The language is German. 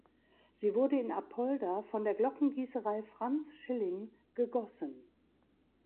Sie wurde in Apolda von der Glockengießerei Franz Schilling gegossen.